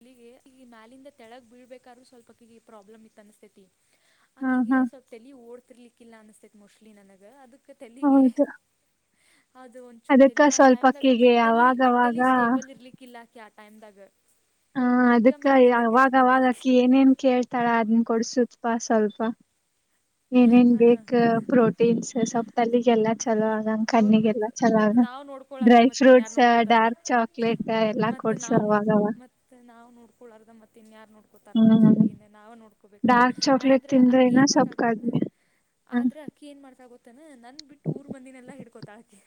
ಇಲ್ಲಿಗೆ ಈ ಮ್ಯಾಲಿಂದ ತೆಗ್ ಬೀಳ್ಬೇಕಾದ್ರೂ ಸ್ವಲ್ಪ ಪ್ರಾಬ್ಲಮ್ ಇತ್ತು ಅನಸ್ತೇತಿ ಹಾ ಆಕಿಗೆ ಹಾ ಸ್ವಲ್ಪ್ ತೆಲಿ ಓಡ್ತಿರ್ಲಿಕ್ಕಿಲ್ಲ ಅನ್ಸಸ್ತೇತ್ ಮೊಸ್ಟ್ಲಿ ನನಗ ಅದಕ್ ತಲಿಗೆ ಹೌದು ಅದು ಅದಕ್ಕ ಒಂಚೂರುಲ್ಲಿ ಆ ಸ್ವಲ್ಪ ಟೈಮದಾಗ ಅಕ್ಕಿಗೆ ಮೆಂಟಲಿ ಅವಾಗವಾಗ ಮೆಂಟಲಿ ಸ್ಟೇಬಲ್ ಇರ್ಲಿಕ್ಕಿಲ್ಲಕೆ ಆ ಟೈಮ್ ದಾಗ ಹಾ ಅದಕ್ಕ ಅವಾಗ ಅವಾಗಕ ಬಿದ್ದಾಕಿ ಏನೇನ್ ಕೇಳ್ತಾಳ ಅದನ್ನ ಕೊಡ್ಸತ್ಪ್ಪಾ ಸ್ವಲ್ಪ ಏನೇನ್ ಹಾಂ ಬೇಕ ಪ್ರೋಟೀನ್ಸ್ ಸ್ವಪ್ ತಲ್ಲಿಗೆಲ್ಲಾ ಚಲೋ ಆಗ ಹೌದು ಮತ್ತು ಕಣ್ಣಿಗೆಲ್ಲಾ ಮತ್ತು ಚಲಾಗ ನಾವು ನೋಡ್ಕೊಳಾರ್ದ ಡ್ರೈ ಫ್ರೂಟ್ಸ್ ಡಾರ್ಕ್ ಚಾಕ್ಲೇಟ್ ಎಲ್ಲಾ ಮತ್ತತ್ ಕೊಡ್ಸ ನಾವು ನೋಡ್ಕೊ ಅವಾಗವ ಮತ್ ನಾವು ನೋಡ್ಕೊಳರ್ದ ಮತ್ತತ್ ಇನ್ಯಾರಾರ್ ನೋಡ್ಕೋತಾರವ ನಮ್ಮ ಹ್ಮ್ ಹುಡುಗೀನ ನಾವ ನೋಡ್ಕೋಬೇಕಲ್ ಡಾರ್ಕ್ ಚಾಕ್ಲೇಟ್ ಆದ್ರ ಅಕ್ಕಿ ತಿಂದ್ರೆನ ಏನ್ ಮಾಡ್ತಾ ಸ್ವಲ್ಪ ಇದತನ ಕಡಿಮೆ ಹ್ಮ್ ಆದ್ರ ಆಕಿ ಏನ್ ಮಾಡ್ತಾ ಗೊತ್ತೇನೆ ನನ್ ಬಿಟ್ಟು ಊರ್ ಮಂದಿನೆಲ್ಲ ಹಿಡ್ಕೊತ ಆಕೆ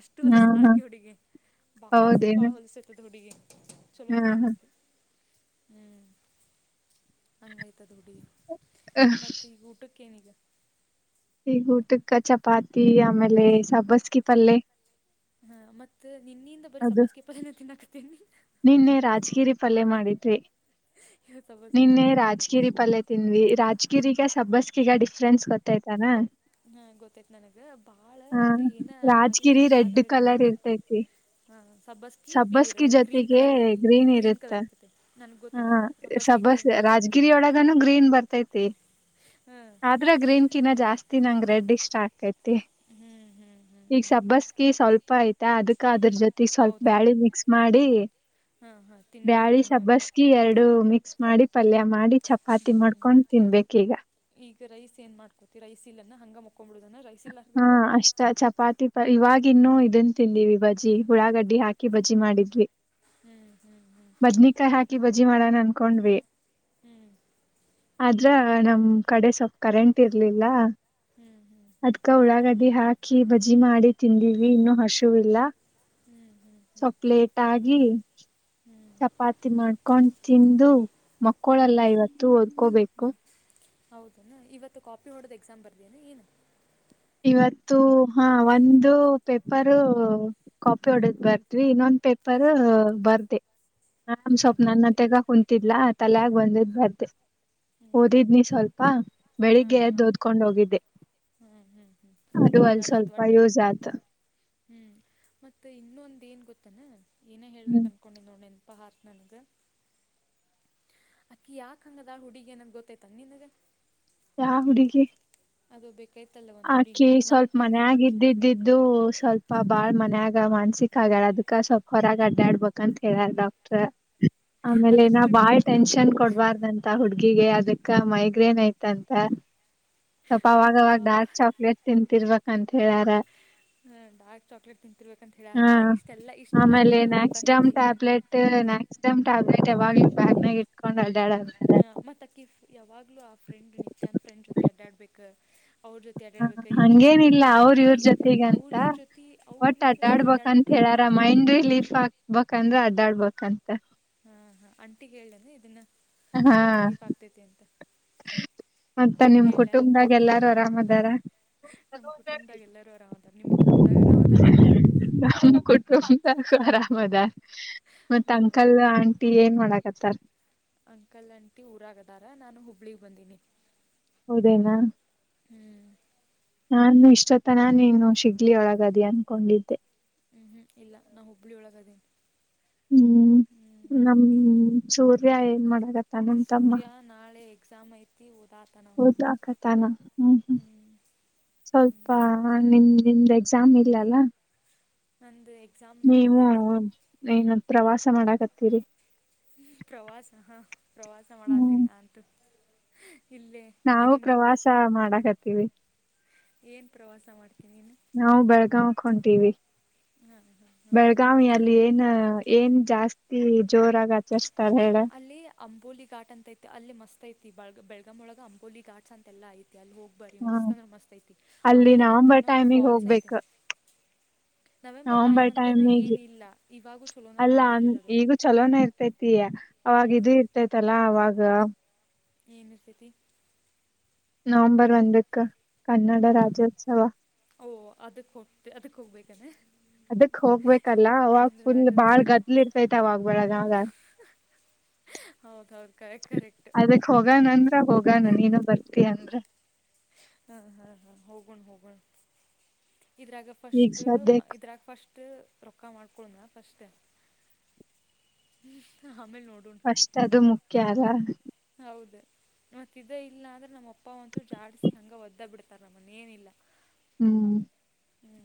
ಅಷ್ಟು ಹಾ ಹಾ ಹೊಲಸದಾಕಿ ಹುಡುಗಿ ಬಾಳ ಅಂದ್ರೆ ಬಾಳ ಹೌದೇನು ಹೊಲಸ ಇತದ ಹುಡುಗಿ ಹಾ ಚಲೋನೇ ಹಾ ಇಲ್ಲಕ್ಕೆ ಹೂ ಹಾಂಗ್ ಐತಿ ಹುಡುಗಿ ಮತ್ತೆ ಈಗ ಊಟಕ್ಕೇ ಏನ್ ಈಗ ಈ ಊಟಕ್ಕ ಚಪಾತಿ ಆಮೇಲೆ ಸಬ್ಬಸ್ಗಿ ಪಲ್ೆ ಹ ಮತ್ತತ್ ನಿನ್ನಿಂದ ಬರೀ ಅದು ಸಬ್ಬಾಸ್ ಕೀಪರ್ ಎಲ್ಲ ತಿನ್ಾಕತೀನಿ ನಿನ್ನೆ ರಾಜಗಿರಿ ಪಲ್ಯ ಮಾಡಿದಿ ಇವತ್ತು ಸಬ್ಬಸ್ಗೆ ನಿನ್ನೆ ಪಲ್ಯನೇ ರಾಜಗಿರಿ ಪಲ್ಲೆ ತಿಂದ್ವಿ ರಾಜ್ಗಿರಿಗ ಸಬ್ಬಸ್ಗಿಗ ಡಿಫ್ರೆನ್ಸ್ ಗೊತ್ತಾಯ್ತಾಲ್ಲ ಹಾ ಗೊತ್ತಾಯ್ತ ನನಗ ಬಾಳ ಇದು ಏನ ಆಗ್ಲಿ ರಾಜಗಿರಿ ಏನನ್ ರೆಡ್ ಹೇಳಾಕ್ತಿದ್ದ ಕಲರ್ ನಂದ್ರ ಇರ್ತೈತಿ ಹಾ ಸಬ್ಬಸ್ಕಿ ಪೀರ್ ಸಬ್ಬಸ್ಗಿ ಗ್ರೀನ್ ಜೊತೆಗೆ ಕಲರ್ ಇರ್ತತಿ ಗ್ರೀನ್ ಇರುತ್ತ ಕಲರ್ ಇರ್ತತಿ ನನಗೆ ಹ ಗೊತ್ತೇಾಗಾದದು ಹಬ್ಬಸ್ಗಿ ಸಬ್ಬಸ್ ಗ್ರೀನ್ ಕಲರ್ ಇರ್ತತಿ ರಾಜಗಿರಿ ಗ್ರೀನ್ ಬರ್ತೈತಿ ಹ್ಞೂ ಆದ್ರೆ ಗ್ರೀನ್ ಕಿನ ಜಾಸ್ತಿ ನಂಗ ರೆಡ್ ಇಷ್ಟ ಆತೈತಿ ಹ್ಞೂ ಹ್ಞೂ ಹ್ಞೂ ಈಗ ಹ್ಞೂ ಸಬ್ಬಸ್ಕಿ ಸ್ವಲ್ಪ ತಪ್ಪ ಐತೆ ಅದಕ್ಕ ಅದ್ರ ಜೊತೆಗೆ ಸ್ವಲ್ಪ ಬ್ಯಾಳೆ ಮಿಕ್ಸ್ ಮಾಡಿ ಹಾ ಹಾ. ಬ್ಯಾಳಿ ಸಬ್ಬಸ್ಗಿ ಎರಡು ಮಿಕ್ಸ್ ಮಾಡಿ ಪಲ್ಯ ಮಾಡಿ ಚಪಾತಿ ಹ್ಞೂ ಮಾಡ್ಕೊಂಡು ತಿನ್ಬೇಕ ಈಗ. ಈಗ ರೈಸ್ ಏನ್ ಮಾಡ್ಕೋತಿ ರೈಸ್ ಇಲ್ಲಾ ಹಂಗ ಮಕೊ ಬಿಡುದ ರೈಸ್ ಇಲ್ದಂಗ. ಚ ಚಪಾತಿ ಪ ಇವವಾಗಿ ಇನ್ನುೂ ಇದನ್ನ ತಿಂದಿವವಿ ಬಜ್ಜಿ ಹುಳಾಗಡ್ಡಿ ಹಾಕಿ ಬಜಿ ಮಾಡಿದ್ವಿ. ಹ ಹ್ಮ್ ಹ್ಮ್ ಹ್ಮ್ ಬದ್ನಿಕಾಯಿ ಹಾಕಿ ಬಜ್ಜಿ ಮಾಡೋಣ ಅನ್ಕೊಂಡ್ವಿ. ಹ್ಮ್ ಆದ್ರ ನಮ ಕಡೆ ಸ್ವಲ್ಪ ಕರೆಂಟ್ ಇರ್ಲಿಲ್ಲ. ಹ್ಮ್ ಹ್ಮ್ ಅದ್ಕ ಉಳ್ಳಾಗಡ್ಡಿ ಹಾಕಿ ಬಜ್ಜಿ ಮಾಡಿ ತಿಂದಿವಿ ಇನ್ನೂ ಹಸಿವ್ ಇಲ್ಲ. ಹ್ಞೂ ಹ್ಞೂ ಸ್ವಲ್ಪ್ ಲೇಟ್ ಆಗಿ. ಹ್ಞೂ ಹ್ಞೂ ಹ್ಞೂ ಚಪಾತಿ ಮಾಡ್ಕೊಂಡ್ ತಿಂದು ಮಕ್ಕೋಳಲ್ಲ ಇವತ್ತು ಓದ್ಕೋಬೇಕು. ಹೌದನಾ ಇವತ್ತು ಕಾಪಿ ಹೊಡದ ಎಕ್ಸಾಮ್ ಬರ್ದನ ಏನು. ಇವತ್ತು ಹಾ ಒಂದು ಪೇಪರು. ಕಾಪಿ ಹೊಡದ್ ಬರ್ದ್ವಿ ಇನ್ನೊಂದ್ ಪೇಪರ್ ಬರ್ದೆ ನಾಮ್ ಹ್ಞೂ ಸ್ವಪ್ ಬರ್ತಿ ನನ್ನತ್ತಗ. ಕುಂತಿಲ್ಲಾ ತಲ್ಯಾಗ ಬಂದಿದ್ ಬರ್ದೇ. ಹ್ಞೂ ಹ್ಞೂ ಓದಿದ್ನಿ ಸ್ವಲ್ಪ ಬೆಳಿಗ್ಗೆ ಎದ್ದು ಓದ್ಕೊಂಡ್ ಹೋಗಿದ್ದೆ. ಹ್ಮ್ ಹ್ಮ್ ಹ್ಮ್ ಅದು ಅಲ್ಲಿ ಹಂಗಾಗಿತ್ತು ಸ್ವಲ್ಪ ವಟ್ಟ. ಯೂಸ್ ಆತ ಹ್ಮ್ ಮತ್ತ ಇನ್ನೊಂದ ಏನ್ ಗೊತ್ತಾನ ಏನ ಹ್ಮ್ ಹೇಳ್ಬೇಕಂತ ಕಕೊಂಡು ನೋಡಿ ನೆನಪ ಹಾರ್ತ ನನಗ. ಅಕ್ಕಿ ಯಾಕೆ ಹಂಗ ಅದಾಳ ಹುಡಿಗೇ ಏನ ಗೊತ್ತೈತ ನ ನಿನಗೆ. ಯಾ ಹುಡುಗಿ. ಅದು ಬೇಕಾಯ್ತಲ್ಲವಾ. ಆಕಿ ಸ್ವಲ್ಪ ಮನ್ಯಾಗ ಇದ್ದ ಇದ್ ಇದ್ದು. ಇದು ಸ್ವಲ್ಪ ಬಾಳ್ ಮನ್ಯಾಗ ಮಾನ್ಸಿಕ ಆಗ್ಯಾಳ ಅದಕ್ಕ ಸ್ವಲ್ಪ ಹೊರಗ ಅಡ್ಯಾಡ ಬೇಕಂತ ಹೇಳ್ಯಾರ್. ಬಿಟ್ರ ಆಮೇಲೆ ಅದಕ್ಕೆ ಇನ್ನ ಟ್ರಿಪ್ ಬಾಯ. ಟೆನ್ಷನ್ ಕೊಡ್ಬಾರ್ದಂತ ಹುಡ್ಗಿಗೆ ಅದಕ್ಕ ಮೈಗ್ರೇನ್ ಐತಂತ. ಸ್ವಲ್ಪ ಅವಾಗವಾಗ ಡಾರ್ಕ್ ಚಾಕ್ಲೇಟ್ ತಿಂತರ್ಬೇಕ ಅಂತ ಹೇಳ್ಯಾರ. ಹ ಡಾರ್ಕ್ ಚಾಕ್ಲೇಟ್ ತಿಂತಿರ್ಬೇಕ ಅಂತ ಹೇಳ್ಯಾರ್ ಹಾ ಇಷ್ಟೆಲ್ಲಾ ಇಷ್ಟೆಲ್ಲ ಹೇಳುದು ಗೊತ್ತಾಕೇತಿ. ನೆಕ್ಸ್ಟ್ ಟೈಮ್ ಟ್ಯಾಬ್ಲೆಟ್ ಯಾವಾಗ್ಲೂ ಬ್ಯ್ನಾಗ ಇಟ್ಕೊಂಡ್ ಅಡ್ಯಾಡದು. ಮತ್ತಕಿಫ್ ಯಾವಾಗಲೂ ಆ ಫ್ರೆಂಡ್ ನಿತ್ಯ ಅಂತ ಫ್ರೆಂಡ್ ಜೊತೆ ಅಡ್ಡಾಡ್ಬೇಕು ಅವ್ರ ಜೊತೆ. ಹ ಆಡಾಡ್ಬೇಕ ಇವ್ರ ಜೊತೆ ಹಂಗೇನಿಲ್ಲ ಆಡಾಡ್ಬೇಕು ಅವ್ರ ಬರೀ ಇವ್ರ ಅವ್ರ ಜೊತೆಗಂತ ಇವ್ರ ಜೊತಿ ಅವ್ರ ಒಟ್ ಇವ್ರ ಜೊತೆನ ಅಡ್ಡಾಡಬೇಕು. ಅಡ್ಡಾಡ್ಬಕ್ಂತ ಹೇಳಾರ ಮೈಂಡ್ ರಿಲೀಫ್ ಆಗ್ಬೇಕಂದ್ರೆ ಅಡ್ಡಾಡ್ಬೇಕಂತ. ಹಾಂ ಹಾಂ ಅಂಟಿಗ್ ಹೇಳ್ನೇನು ಇದನ್ನು ಹಾ ಮೈಂಡ್ ರಿಲೀಫ್ ಆಗ್ತೈತಿ ಅಂತ. ಮತ್ತ ನಿಮ್ ಹೇಳ್ಯಾ ಕುಟುಂಬದಾಗ ಎಲ್ಲಾರು ಆರಾಮದಾರ. ನಮ್ ಕುಟುಂಬದಾಗ ಎಲ್ಲರೂ ಅರಾಮ್ದಾರ ನಿಮ್ ಕುಟುಂಬದಾಗ ಆರಾಮ್ ಅದಾರನ. ತುಂಬ ಆರಾಮ್ ಅದರ ಮತ್ತ ಹಾಂ ಅಂಕಲ್ ಆಂಟಿ ಏನ್ ಮಾಡಕತ್ತಾರ. ಅಂಕಲ್ ಅಂಟಿ ಊರಾಗದಾರ ನಾನು ಹುಬ್ಬಳ್ಳಿಗೆ ಬಂದೀನಿ. ಹೌದೇನ. ಹ್ಮ್ ನಾನು ಇಷ್ಟೊತ್ತನ ನೀನು ಸಿಗ್ಲಿ ಒಳಗದಿ ಅನ್ಕೊಂಡಿದ್ದೆ. ಹ್ಮ್ ಹ್ಮ್ ಇಲ್ಲ ನಾ ಹುಬ್ಬಳ್ಳಿ ಒಳಗದೇನ. ಹ್ಮ್ ನಮ್ ಸೂರ್ಯ ಏನ್ ಮಾಡತ್ತ. ಸೂರ್ಯ ನಾಳೆ ಎಕ್ಸಾಮ್ ಐತಿ ಓದಾತ. ಒದಾಕತಾನ ಹ್ಮ್ ಹ್ಮ್. ಹ್ಞೂ ಸ್ವಲ್ಪ ಹ್ಮ್ ನಿಮ್ದು ನಿಮ್ದ ಎಕ್ಸಾಮ್ ಇಲ್ಲಲ್ಲ. ನಂದು ಎಕ್ಸಾಮ. ನೀವು ಏನ ಪ್ರವಾಸ ಮಾಡಕತ್ತೀರಿ. ಪ್ರವಾಸ ಪ್ರವಾಸ ಹ್ಮ್ ಮಾಡಾತಿನ್ನ ಅಂತು ಇಲ್ಲೇ. ನಾವು ಮನೆ ಮುಂದೆ ಪ್ರವಾಸ ಮಾಡಾಕತ್ತೀವಿ ಏನ್ ಪ್ರವಾಸ ಮಾಡ್ತೀನಿ ನೀನು ನಾವು ಬೆಳಗಾವಕ್ ಹೊಂಟಿವಿ ಹಾಂ ಹಾಂ ಹಾಂ ಹಾಂ ಬೆಳಗಾವ್ ಅಲ್ಲಿ ಏನ್ ಏನ್ ಜಾಸ್ತಿ ಜೋರಾಗಿ ಆಚರಿಸುತ್ತಾರೆ ಹೇಳ ಅಲ್ಲಿ ಅಂಬೋಲಿ ಘಾಟ್ ಅಂತ ಐತಿ ಅಲ್ಲಿ ಮಸ್ತ್ ಐತಿ ಬೆಳ ಬೆಳಗಮ್ ಒಳಗ ಅಂಬೋಲಿಘಾಟ್ಸ್ ಅಂತ ಎಲ್ಲಾ ಐತಿ ಅಲ್ಲಿ ಹೋಗ ಬರಿ ಹ ಮಸ್ತ್ ಅಂದ್ರೆ ಮಸ್ತ್ ಐತಿ ಅಲ್ಲಿ ಆಮೇಲೆ ಮತ್ತು ನವಂಬರ್ ಇನ್ನೊಂದು ಟೈಮಿಗೆ ಫಾಲ್ಸ್ ಹೋಗ್ಬೇಕ ಐತೆ ನವಂಬರ್ ಅಂತೇನ ಟೈಮ್ಗ ಏನಿಲ್ಲ ಇವಾಗೂ ಚಲೋನ ಅಲ್ಲ ಕಾಣ್ತೈತೈತಿ ಅದು ಈಗೂ ಚಲೋನ ಇರ್ತೈತಿ ಹ್ಞೂ ಅವಾಗ ಇದು ಇರ್ತೈತಲ್ಲ ಅವಾಗ ಏನ್ ಇರತೈತಿ ನವಂಬರ್ ಒಂದಕ್ಕ ಕನ್ನಡ ರಾಜ್ಯೋತ್ಸವ ಓಹ ಅದಕ್ಕೆ ಹೋಗ್ತ ಅದಕ್ಕೆ ಹೋಗಬೇಕೇನ ಅದಕ್ ಹೋಗ್ಬೇಕಲ್ಲ ಅವಾಗ ಫುಲ್ ಬಾಳ್ ರಾಜ್ಯೋತ್ಸವ ಗದ್ಲಿ ಇರ್ತೈತೆ ಅವಾಗ ಬೆಳಗಾವ್ದಾಗ ಹೌದು ಹೌದು ಕರೆಕ್ಟ್ ಕರೆಕ್ಟ್ ಅದಕ್ ಕರೆಕ್ಟ್ ಹೋಗಣಂದ್ರ ಹೋಗಣ ನೀನು ಬರ್ತೀಯ ಬರ್ತೀಯ ಅಂದ್ರ ಹಾ ಹಾ ಹಾ ಹೋಗಣ ಹೋಗಣ ಇದ್ರಾಗ ಈಗ ಫಸ್ಟ್ ಸದ್ಯಕ್ ಇದ್ರಾಗ ಫಸ್ಟ್. ರೊಕ್ಕ ಮಾಡ್ಕೊನು ಫಾಸ್ಟ್ ಆಮ್ಯಾಗ ನೋಡೋಣ. ಫ್ರಿಸ್ಟ್ ಅದು ಮುಖ್ಯ ಅಲ್ಲ. ಹೌದು ಮತ್ ಇದಇಲ್ಲ ಅಂದ್ರೆ ನಮ್ಮ ಅಪ್ಪ ಒಂದಚೂರು ಜಾಡಿಸಿ ಹಂಗ ಒದ್ದ ಬಿಡ್ತಾರೆ ನಮ್ಮನ್ನ ಏನಿಲ್ಲ ಹ್ಮ್ ಹ್ಮ್ ಹ್ಞೂ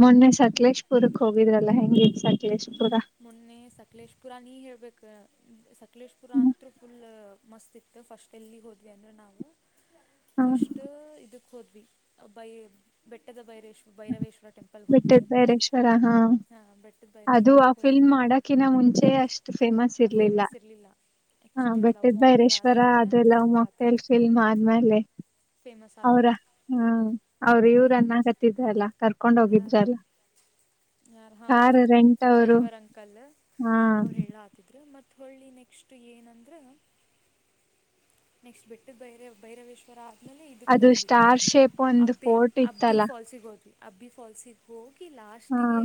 ಮೊನ್ನೆ ಸಕಲೇಶಪುರಕ್ ಹೋಗಿದ್ರಲ್ಲ ಹೆಂಗಿ ಇತ್ತು ಸಕಲೇಶ್ ಪುರ ಮೊನ್ನೆ ಸಕಲೇಶಪುರ ನೀ ಹೇಳೇಳ್ಬೇಕು ಸಕಲೇಶಪುರ ಅಂತೂ ಫುಲ್ ಮಸ್ತಿ ಇತ್ತು ಫಸ್ಟ್ ಎಲ್ಲಿ ಹೋದ್ವಿ ಅಂದ್ರೆ ನಾವು [inaudible] ಫಸ್ಟ್ ಇದಕ್ಕೆ ಹೋದ್ವಿ ಬೈ ಬೆಟ್ಟದ ಬೈರೇಶ್ವ ಭೈರವೇಶ್ವರ ಟೆಂಪಲ್ ಬಿಟ್ಟದ ಬೇರೇಶ್ವರ ಹಾ ಬೆಟ್ಟದ ಅದು ಭೈರೇಶ್ವರಕ್ಕೆ ಫಿಲ್ಮ್ ಹೋದ್ವಿ ಮಾಡಕಿನ ಮುಂಚೆ ಅಷ್ಟು ಫೇಮಸ್ ಇರ್ಲಿಲ್ಲ ಫೇಮಸ್ ಇರಲಿಲ್ಲ ಹಾ ಆ್ಯಕ್ಚುಲಿ ಅದು ಲವ್ ಬೆಟ್ಟದ ಮಾಕ್ಟೇಲ್ ಬೈರೇಶ್ವರ ಆದಮೇಲೆ ಅದೆ ಲವ್ ಫೇಮಸ್ ಮೊಕ್ ಆತು ಟೈಲ್ ಫಿಲ್ಮ್ ಆದ್ಮೇಲೆ ಫೇಮಸ್ ಅವ್ರ ಆತದು ಹ್ಮ ಅವ್ರ ಹಾಂ ಇವ್ರನ್ನ ಅನ್ನಾಕತಿದ್ರಲ್ಲ ಕರ್ಕೊಂಡ್ ಹೋಗಿ ಯಾರ ಹಾ ಅವ್ರ ಅವರು ಡ್ರೈವರ್ ಅಂಕಲ್ ಹಾ ಅವ್ರ ಹೇಳ ಆತ ಮತ್ತ ಹೊಳ್ಳಿ ನೆಕ್ಸ್ಟ್ ಏನಂದ್ರ ನೆಕ್ಸ್ಟ್ ಬೆಟ್ಟದ ಭೈರವೇಶ್ವರ ಆಮೇಲೆ ಇದಕ್ಕೆ ಅದು ಹೋದ್ವಿ ಸ್ಟಾರ್ ಶೇಪ್ ಒಂದು ಅಬ್ಬಿ ಫೋರ್ಟ್ ಅಬ್ಬಿ ಇತ್ತಲ್ಲ ಫಾಲ್ಸಿಗೆ ಹೋದ್ವಿ ಅಬ್ಬಿ ಫಾಲ್ಸಿಗೆ ಹೋಗಿ ಹಾ ಲಾಸ್ಟಿಗೆ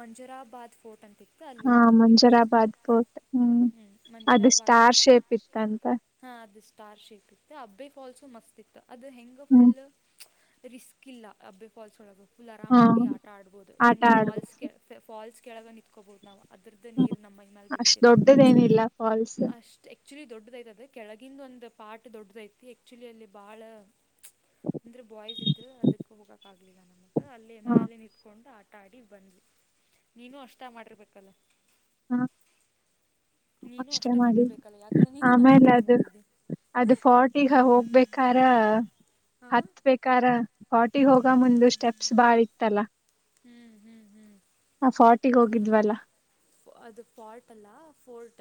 ಮಂಜುರಾಬಾದ್ ಫೋರ್ಟ್ ಅಂತ ಇತ್ತು ಅಲ್ಲಿ ಹಾ ಹೋಗ್ ಬಂದ್ವಿ ಮಂಜರಾಬಾದ್ ಫೋರ್ಟ್ ಹ್ಮ್ ಅದು ಮಂಜರಪಾತ್ ಸ್ಟಾರ್ ಶೇಪ್ ಇತ್ತಂತ ಹಾ ಅದು ಸ್ಟಾರ್ ಶೇಪ್ ಇತ್ತು ಅಬ್ಬೆ ಫಾಲ್ಸು ಮಸ್ತ್ ಇತ್ತು ಅದು ಹೆಂಗ ಹ್ಮ್ ಫುಲ್ ರಿಸ್ಕ್ ಇಲ್ಲ ಅಬ್ಬೆ ಫಾಲ್ಸ್ ಒಳಗೆ ಫುಲ್ ಆರಾಮಾಗಿ ಆಟ ಆಡ್ಬೋದು ಆಟ ಹಿಂಗೆ ಆಡ್ಬೋದು ಫಾಲ್ಸ್ಕೆ ಫಾಲ್ಸ್ ಕೆಳಗ ನಿಂತ್ಕೋಬಹುದು ನಾವು ಅದ್ರದ್ದ ನೀರ್ ನಮ್ಮ ಮೈ ಮ್ಯಾಲ ಅಷ್ಟ್ ಬಿಳಿತೆ ದೊಡ್ಡದೇನಿಲ್ಲ ಫಾಲ್ಸ್ ಅಷ್ಟ ಆಕ್ಚುಲಿ ದೊಡ್ಡದೈತದ ಕೆಳಗಂದು ಒಂದು ಪಾಟ್ ದೊಡ್ಡದೈತಿ ಆಕ್ಚುಲಿ ಅಲ್ಲಿ ಬಾಳ ಅಂದ್ರೆ ಬಾಯ್ಸ್ ಇದ್ರರು ಅದಕ್ ಹೋಗಕ್ ಆಗ್ಲಿಲ್ಲ ನಮಗ ಅಲ್ಲಿ ಮ್ಯಾಲ ಹ ನಿಂತ್ಕೊಂಡು ಆಟ ಆಟ ಆಡಿ ಬಂದ್ವಿ ನೀನು ಅಷ್ಟ ಮಾಡಿರ್ಬೇಕಲ್ಲ ನೀನು ಅಷ್ಟೇ ಅಷ್ಟ ಮಾಡಿ ಮಾಡಿರ್ಬೇಕಲ್ಲ ಯಾಕಂದ್ರೆ ನೀನು ನನ್ ಆಮೇಲೆ ಜೊತೆನೆ ಅದು ಬಂದಿದ್ದೆ ಅದು ಫೋರ್ಟಿಗೆ ಹೋಗ್ಬೇಕಾರ ಹಾ ಹತ್ ಬೇಕಾರ ಫೋರ್ಟಿಗೆ ಹೋಗ ಮುಂದು ಸ್ಟೆಪ್ಸ್ ಬಾಳ ಇತ್ತಲ್ಲ ಹ್ಮ್ ಹ್ಮ್ ಹ್ಮ್ ಹಾ ಫಾರ್ಟಿಗೆ ಹೋಗಿದ್ವಲ್ಲಾ ಅದು ಫಾರ್ಟ ಅಲ್ಲ ಫೋರ್ಟ್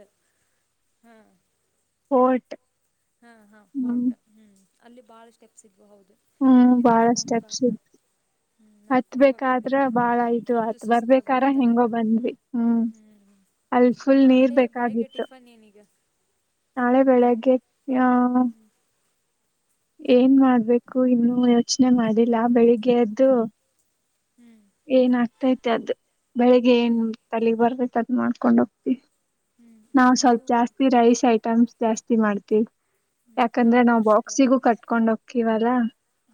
ಹಾ ಪೋರ್ಟ್ ಹಾ ಹಾ ಫೋರ್ಟ್ ಹ್ಮ್ ಅಲ್ಲಿ ಬಾಳ ಸ್ಟೆಪ್ಸ್ ಇದವು ಹೌದು ಹ್ಮ್ ಅಲ್ಲಿ ಬಾಳ ನಡ್ಕೊಂಡು ಸ್ಟೆಪ್ಸ್ ಹೋಗಾಕ ಇತ್ತು ಹ್ಞೂ ನಡ್ಕೊಂಡು ಹೋಗಾಕ ಹತ್ಬೇಕಾದ್ರ ಬಾಳ ಇದು ಫುಲ್ಲು ಆಯ್ತು ಬರಬೇಕಾದರೆ ಸುಸ್ತಾಗ್ಬಿಡ್ತಲ್ಲಿ ಹೆಂಗೋ ಬಂದ್ವಿ ಹ್ಮ್ ಹ್ಞೂ ಅಲ್ಲಿ ಫುಲ್ ನೀರ್ ನಾಳೆ ಬೆಳಗ್ಗೆ ಬೇಕಾಗಿತ್ತು ಟಿಫನ್ ಏನೀಗ ನಾಳೆ ಬೆಳಗ್ಗೆ ಹಾ ಹ್ಞೂ ಏನ್ ಮಾಡ್ಬೇಕು ಇನ್ನು ಯೋಚನೆ ಮಾಡಿಲ್ಲ ಬೆಳಿಗ್ಗೆಯದ್ದು ಹ್ಞೂ ಏನ್ ಆಗ್ತೈತಿ ಅದ್ ಬೆಳಿಗ್ಗೆ ಹ್ಞೂ ಏನ್ ತಲೆಗ್ ಬರ್ದೈತೆ ಅದ್ ಮಾಡ್ಕೊಂಡ್ ಹೋಗ್ತಿವಿ ಹ್ಞೂ ನಾವು ನಂದು ಸ್ವಲ್ಪ ಜಾಸ್ತಿ ರೈಸ್ ಐಟಮ್ಸ್ ಜಾಸ್ತಿ ಮಾಡ್ತೀವಿ. ಹ್ಞೂ ಯಾಕಂದ್ರೆ ನಾವು ಅಷ್ಟೇ ಬಾಕ್ಸಿಗೂ ಕಟ್ಕೊಂಡ ಹೋಗತೀವಲ್ಲಾ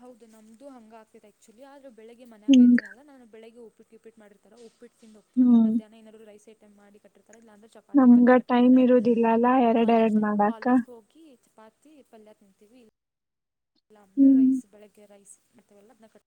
ಹೌದು ನಮ್ದು ಹಂಗ ಆಗ್ತಿದೆ ಆಕ್ಚುಲಿ ಆದ್ರೆ ಬೆಳಗೆ ಮನಿಯಾಗ ಹಿಂಗ ಇರ್ತೀನಲ್ಲ ನಾನು ಬೆಳಗ್ ಉಪ್ಪಿಟ ಗಿಪ್ಪಿಟ್ಟು ಮಾಡಿರುತ್ತಾರ ಉಪ್ಪಿಟ್ಟ ತಿಂದು ಹೋಗ್ತಿನಿ, ಹ್ಮ್ ಮಧ್ಯಾಹ ಏನಾದ್ರೂ ರೈಸ ಐಟಂ ಮಾಡಿ ಕಟ್ಟಿತಾರ ಇಲ್ಲ ಅಂದ್ರ ಚಪಾತಿ ನಮ್ಗ ಪಲ್ಯೆ ಟೈಮ್ ಕಟ್ಟಿರ್ತಾರ ಹ ಇರುದಿಲ್ಲಲ್ಲ ಎರಡ್ ಎರಡ್ ಕಾಲೇಜ್ದಾಗ ಮಾಡಾಕ ಕಾಲೇಜ್ಗೆ ಹೋಗಿ ಕಿ ಚಪಾತಿ ಪಲ್ಯ ತಿಂತೀವಿ ನಮ್ದು ಹ್ಮ್ ರೈಸ್ ಬೆಳಗ್ಗೆ ರೈಸ್ ಮತ್ತವೆಲ್ಲ ಅದನೆ ಕ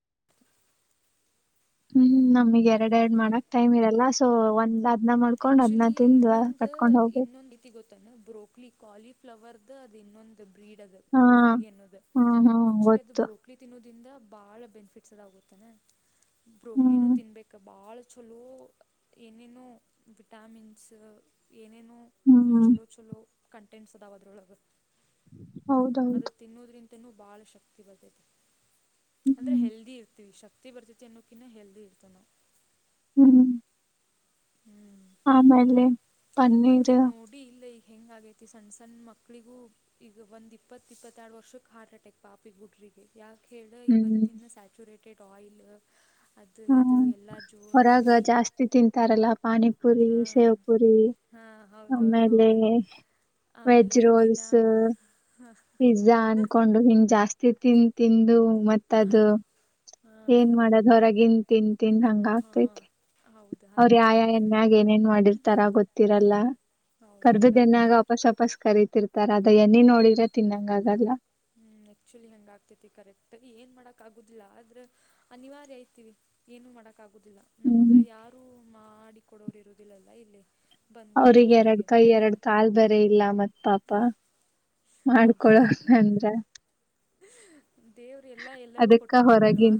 ಹ್ಮ್ ನಮಗ್ ಹ್ಞೂ ಎರಡ್ ಎರಡ್ ಮಾಡಕ್ ಟೈಮ್ ಇರಲ್ಲ ಸೊ ಒಂದ್ ಅದ್ನ ಮಾಡ್ಕೊಂಡ್ ಅದ್ನ ಆಕ್ಚುಲಿ ತಿಂದ ಇನ್ನೊಂದು ಕಟ್ಕೊಂಡ್ ಹೋಗ್ಬೇಕು ಇನ್ನೊಂದ ಇತಿ ಗೊತ್ತ ಬ್ರೋಕ್ಲಿ ಕಾಲಿ ಫ್ಲವರ್ ಅದು ಇನ್ನೊಂದು ಬ್ರೀಡ್ ಅದ ಹಾ ಬ್ರೋಕ್ಲಿ ಅನ್ನೋದು ಹ್ಮ್ ಹ್ಮ್ ಆಕ್ಚುಲಿ ಅದು ಗೊತ್ತು ಬ್ರೋಕ್ಲಿ ಬಕ್ಲಿ ತಿನ್ನೋದಿಂದ ಬಾಳ ಬೆನಿಫಿಟ್ಸ್ ಅದಾಗುತ್ತಾನ ಬ್ರೋಕ್ಲಿನ ಹ್ಮ್ ತಿನ್ಬೇಕ ಬಾಳ ಚಲೋ ಏನೇನೋ ವಿಟಾಮಿನ್ಸು ಏನೇನೋ ಫುಲ್ ಹ್ಮ್ ಛಲೋ ಛಲೋ ಕಂಟೆಂಟ್ಸ್ ಅದಾವವು ಅದ್ರೊಳಗೆ ಹೌದೌದು ತಿನ್ನೋದ್ರಿಂದೂ ಭಾಳ ಶಕ್ತಿ ಬರ್ದತೆ ಅಂದ್ರೆ ಹ್ಮ್ ಹೆಲ್ದಿ ಇರ್ತಿವಿ ಶಕ್ತಿ ಬರ್ತತಿ ಅನ್ನೋಕ್ಕಿ ಹೆಲ್ದಿ ಇರುತ್ತೇವೆ ನಾವು ಹ್ಮ್ ಹ್ಮ್ ಹ್ಮ್ ಆಮೇಲೆ ಪನ್ನೀರ್ ಅಪ್ಪಿ ಇಲ್ಲೆ ಈಗ ಹೆಂಗ ಆಗೈತಿ ಸಣ್ಣ ಸಣ್ಣ ಮಕ್ಳಿಗೂ ಈಗ ಒಂದ್ ಇಪ್ಪತ್ತ ಇಪ್ಪತ್ತೆರಡು ವರ್ಷಕ್ಕೆ ಹಾರ್ಟ್ ಅಟ್ಯಾಕ್ ಪಾಪಿಗ್ ಹುಡುಗರಿಗೆ ಯಾಕೆ ಹೇಳ ಹ್ಮ್ ಇವತ್ತಿನ ಸ್ಯಾಚುರೇಟೆಡ್ ಆಯಿಲ್ ಅದು ಇದು ಹ್ಮ್ ಎಲ್ಲ ಹೊರಗ ಜೋರಾಗಿ ಜಾಸ್ತಿ ತಿಂತಾರಲ್ಲ ಪಾನಿಪುರಿ ಹಾಂ ಶೇವಪುರಿ ಹಾಂ ಹೌದು ಹೌದು ಆಮೇಲೆ ಹೌದು ವೆಜ್ ರೋಲ್ಸ್ ಹಾ ಪಿಜಾ ಅನ್ಕೊಂಡು ಹಿಂಗ ಜಾಸ್ತಿ ತಿನ್ ತಿಂದು ಮತ್ತ ಅದು ಏನ್ ಮಾಡೋದು ಹೊರಗನ್ ತಿಂದು ತಿಂದು ಹಂಗಾಗ್ಕೈತಿ ಹಾಂ ಹೌದು ಅವ್ರ ಹಂಗೆ ಯಾಯಾ ಆಗ್ತೈತಿ ಎನ್ಯಾಗ ಏನೇನ್ ಮಾಡಿರ್ತಾರ ಗೊತ್ತಿರಲ್ಲ ಹೌದು ಅದೇ ಎನ್ನಾಗ ಕರೆಕ್ಟ್ ವಾಪಸ್ ವಾಪಸ್ ಕರಿತಿರುತ್ತಾರೆ ಅದ ಎಣ್ಣೆ ನೋಡಿದ್ರೆ ತಿನ್ನಂಗ ಆಗಲ್ಲ ಹ್ಮ್ ಆಕ್ಚುಲಿ ಹೆಂಗ ಆಗ್ತತಿ ಕರೆಕ್ಟ್ ಏನ್ ಮಾಡಕ್ ಆಗುದಿಲ್ಲ, ಆದ್ರೆ ಅನಿವಾರ್ಯ ಐತಿ ಏನೂ ಮಾಡಕ ಆಗುದಿಲ್ಲ ಹ್ಮ್ ನಮ್ಗ ಯಾರು ಮಾಡಿಕೊಡೋರು ಇರುವುದಿಲ್ಲಲಾ ಇಲ್ಲಿ ಬಂದ್ಗುಟ್ಲೆ ಅವ್ರಿಗೆ ಎರಡ ಹುಬ್ಬಳ್ಳಿಗೆ ಕೈ ಎರಡು ಕಾಲ ಬೇರೆ ಇಲ್ಲ ಮತ್ತ ಪಾಪ ಮಾಡ್ಕೊಡೋಣ ಅಂದ್ರ ಹ ದೇವ್ರ ಎಲ್ಲಾ ಎಲ್ಲರಿಗೂ ಅದಕ್ಕ ಕೊಟ್ಟಿರ್ಬೇಕಲ್ವಾ ಹೊರಗಿನ್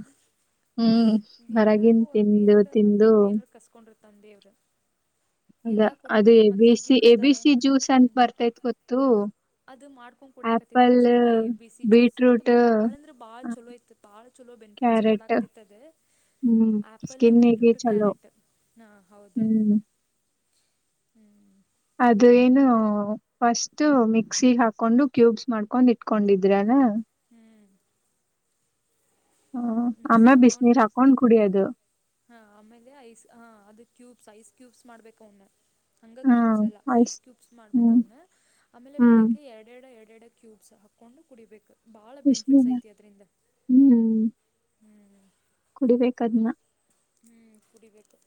ಹ್ಮ್ ಹೊರಗಿನ್ ಎಲ್ಲರಿಗೂ ಒಂದ್ ತಿಂದು ಏನಾರ ಮತ್ ತಿಂದು ಒಂದ್ ಏನಾರ ಕಸ್ಕೊಂಡರುತಂದ ದೇವ್ರ ಅದ ಎಲ್ಲಾ ಅದು ಕೊಟ್ಬಿಟ್ರೆ ಎ ಮತ್ತ ಬಿ ಹಿಗ್ಗಿ ಸಿ ಎ ಬಿ ಬಿಡ್ತಾರ ಸಿ ಜ್ಯೂಸ್ ಅಂತ ಮಂದಿ ಬರ್ತೈತ್ ಗೊತ್ತು ಅದು ಮಾಡ್ಕೊಂಡ್ ಕೂಡ ಕತಿದ್ದ ಆಪಲ್ ಹೆಚ್ಲಿನನಾ ಎ ಬಿ ಸಿ ಜ್ಯೂಸ್ ಸ ಅದು ಬೀಟ್ರೂಟ್ ಬಾಳ ಅಂದ್ರೆ ಭಾಳ್ ಚಲೋ ಇಐತ್ತ್ ಭಾಳ ಚಲೋ ಬೆನಿಫಿಟ್ಸ್ ಕ್ಯಾರೆಟ್ ಕೂಡಾಕದತ್ತ ಅದ ಹ್ಮ್ ಆಪಲ್ ಸ್ಕಿನ್ನಿಗೆ ಬೀಟ್ರೂಟ್ ಚಲೋ ಕ್ಯಾರೆಟ್ ಹಾ ಹೌದು ಹ್ಮ್ ಹ್ಮ್ ಅದು ಏನು ಫಸ್ಟ್ ಮಿಕ್ಸಿ ಹಾಕೊಂಡು ಕ್ಯೂಬ್ಸ್ ಮಾಡ್ಕೊಂಡ್ ಇಟ್ಕೊಂಡಿದ್ರಲ್ಲ ಹ್ಮ್ ಹ ಅಮ್ಮೆ ಬಿಸ ನೀರ್ ಹಾಕೊಂಡ್ ಕುಡಿಯದು ಹಾ ಆಮೇಲೆ ಐಸ್ ಹಾ ಅದು ಕ್ಯೂಬ್ಸ್ ಐಸ್ ಕ್ಯೂಬ್ಸ್ ಮಾಡ್ಬೇಕ ಅವನ್ನ ಹಂಗ ಹಾ ಕ್ಯೂಬ್ಸ್ ಅಲ್ಲ ಐಸ್ ಆಯ್ಸ್ ಕ್ಯೂಬ್ಸ್ ಮಾಡ್ಬೇಕು ಹ್ಮ್ ಅವನ ಆಮೇಲೆ ಹ್ಮ್ ಬೆಳಿಗ್ಗೆ ಎರಡೆ ಎರಡ ಎರಡೆಡ ಕ್ಯೂಬ್ಸ್ ಹಾಕ್ಕೊಂಡು ಕುಡಿಬೇಕು ಭಾಳ ಬೆನಿಫಿಟ್ಸ್ ಬಿಸಿನೀರ ಐತಿ ಅದರಿಂದ ಹ್ಮ್ ಹ್ಮ್ ಕುಡಿಬೇಕದ್ನ್ ಹ್ಮ್ ಕುಡಿಬೇಕು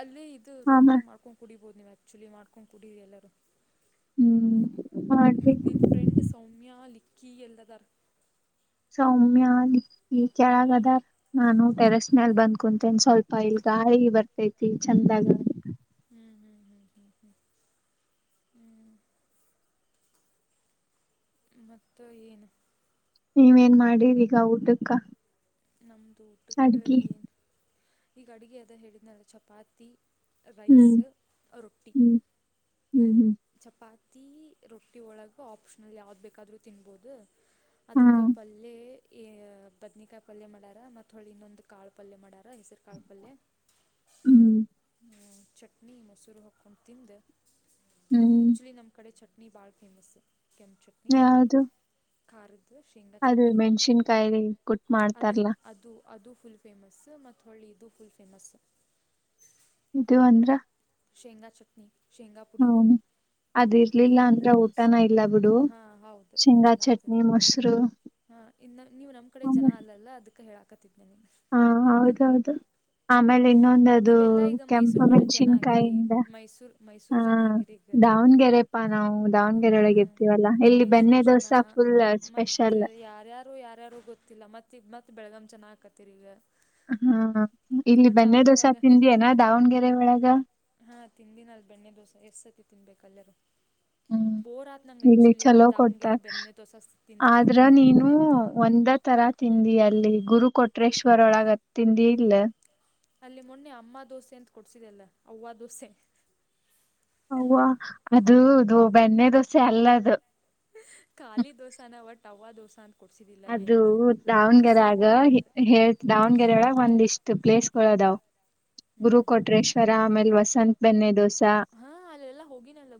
ಅಲ್ಲ ಇದು ಆಮ ರೂಮ್ದಾಗ ಮಾಡ್ಕೊಂಡ್ ಕುಡಿಬೋದು ನೀವ್ತ್ ಚುಲಿ ಮಾಡ್ಕೊಂಡ್ ಕುೂಡರಿ ಎಲ್ಲರೂ ಹ್ಮ್ ಮತ್ತ ಮಾಡ್ಬೇಕು ನೀನ್ ಫ್ರೆಂಡ್ ಸೌಮ್ಯ ಲಿಕ್ಕಿ ಎಲ್ಲದರ್ ಸೌಮ್ಯ ಲಿಕ್ಕಿ ಕೆಳಗದಾರ್ ನಾನು ಟೆರಸ್ ಮೇಲ್ ಬಂದ್ ಕುಂತೇನೆ ಸ್ವಲ್ಪ ಇಲ್ ಗಾಯಿ ಬರ್ತೈತಿ ಚಂದಗ ಹ್ಮ್ ಹ್ಮ್ ಹ್ಮ ಹ್ಮ ಹ ಹ್ಮ್ ಮತ್ತು ಏನು ನೀವೇನ್ ಮಾಡಿರಿಗ ಊಟಕ್ಕ ನಮ್ದ ಊಟಕ್ಕೆ ಅಡ್ಗಿ ಏನು ಈಗ ಅಡುಗೆ ಅದ ಹೇಳಿದನಲ್ಲ ಚಪಾತಿ ರೈಸ್ ಹ್ಮ್ ರೊಟ್ಟಿ ಹ್ಮ್ ಹ್ಮ್ ಹ್ಮ್ ಚಪಾತಿ ರೊಟ್ಟಿ ಒಳಗೆ ಆಪ್ಷನಲ್ ಯಾವ್ದು ಬೇಕಾದರೂ ತಿನ್ಬೋದು ಅದಕ್ ಹ್ಮ್ ಪಲ್ಯ ಬದನಿಕಾಯಿ ಪಲ್ಯ ಮಾಡಾರ ಮತ್ ಹೊಳಿ ಇನ್ನೊಂದ ಕಾಳು ಪಲ್ಯ ಮಾಡಾರ ಹೆಸರು ಕಾಳು ಪಲ್ಯ ಹ್ಮ್ ಹ ಚಟ್ನಿ ಮೊಸರು ಹಾಕ್ಕೊಂಡು ತಿಂದ ಹ್ಮ್ ಆಕ್ಚುಲಿ ನಮ್ಮ್ ಕಡೆ ಚಟ್ನಿ ನೀ ಬಹಾರ್ ಫೇಮಸ್ ಕೆಂಚ ಯಾದು ಖಾರದ ಶೇಂಗಾ ಚಟ್ನಿ ಮೆಣ್ಸಿನ್ಕಾಯಿ ಕುಟ್ ಅದು ಮಾಡ್ತಾರಲ್ಲ ಅದು ಅದು ಫುಲ್ ಫೇಮಸ್ ಮತ್ತು ಹಳ್ಳೆಯಿದದು ಫುಲ್ ಫೇಮಸ್ ಇದು ಅಂದ್ರ ಶೇಂಗಾ ಚಟ್ನಿ ಶೇಂಗಾ ಪುಡಿ ಹ್ಮ್ ಅದ ಅದು ಇರ್ಲಿಲ್ಲ ಫುಲ್ ಅಂದ್ರ ಫೇಮಸ್ ಊಟನ ಇಲ್ಲ ಬಿಡು ಹಾ ಹೌದು ಶೇಂಗಾ ಹಂಗ ಚಟ್ನಿ ಆ್ತದೆ ಮೊಸರು ಹಾ ಇನ್ನು ನೀವು ನಮ್ಮ್ ಕಡೆ ಜನ ಅಲ್ಲಲ್ಲ ಅದಕ್ಕೆ ಹೇಳಾಕತಿದ್ ನನಗೆ ಹಾ ಹೌದೌದು ಆಮೇಲೆ ಇನ್ನೊಂದ ಅದು ನೀವೆಲ್ಲ ಈಗ ಕೆಂಪ ಮೈಸೂರು ಕಡೆ ಜನ ಮೆಣಸಿನ್ಕಾಯಿ ಆಗಿರಿ ಮೈಸೂರು ಮೈಸೂರು ಹಾ ಜನ ಆಗಿರಿ ಈಗ ದಾವಣಗೆರೆಪ್ಪಾ ನಾವು ದಾವಣಗೆರೆ ಒಳಗೆ ಎತ್ತವಿ ವಲ್ಲ ಇಲ್ಲಿ ಬೆನ್ನೆ ಮೈಸೂರು ಜನ ದೋಸಾ ಫುಲ್ ಮತ್ತು ಸ್ಪೆಷಲ್ ಯಾರ್ಯಾರು ಯಾರ್ಯಾರು ಗೊತ್ತಿಲ್ಲ ಮತ್ತ ಈ ಮತ್ ಬೆಳಗಾಮ್ ಚೆನ್ನ ಆಕತ್ತ ರಿ ಈಗ ಹಾ ಇಲ್ಲಿ ಒಟ್ಟು ಬನ್ನೆ ದೋಸೆ ಅವಾಗವಾಗ ತಿಂದಿಯನಾ ದಾವಣಗೆರೆ ಒಳಗ ಹಾ ತಿಂದಿನ ಅಲ್ ಬೆಣ್ಣೆ ದೋಸೆ ಎಷ್ಟ್ ಸತಿ ತಿನ್ಬೇಕಲ್ಲರೂ ಹ್ಮ್ ಇಲ್ಲಿ ಚಲೋ ಕೊಡ್ತಾರ ದಾವಣಗೆರೆ ಬೆಣ್ಣೆ ದೋಸೆ ತಿಂದು ಆದ್ರ ತಿಂದು ತಿಂದು ನೀನು ಒಂದ ತರ ತಿಂಡಿ ಅಲ್ಲಿ ಗುರು ಕೊಟ್ರೇಶ್ವರ ಒಳಗ ತಿಂದಿ ಇಲ್ಲ ಅಲ್ಲಿ ಮೊನ್ನೆ ಅಮ್ಮ ದೋಸೆ ಅಂತ ಕೊಡ್ಸಿದೆ ಅಲ್ಲ ಅವ್ವ ದೋಸೆ ಹ್ವ ಅದು ಅದು ಬೆಣ್ಣೆ ದೋಸೆ ಅಲ್ಲ ಅದು ಖಾಲಿ ದೋಸೆನ ಒಟ್ ಅವ್ವ ದೋಸ ಅದು ದಾವಣಗೆರೆ ಆಗ ಹಂಗೈತೆ ಹೇಳ್ ದಾವಣಗೆರೊಳಗೆ ಒಂದಿಷ್ಟು ಪ್ಲೇಸ್ಗಳದಾವ್ ಹ್ಞೂ ಗುರು ಕೊಟ್ರೆಷ್ಟ ರ ಆಮೇಲೆ ವಸಂತ್ ಬೆಣ್ಣೆ ದೋಸಾ ಹಾ ಅಲ್ಲೆಲ್ಲಾ ಹೋಗಿನಲ್ಲ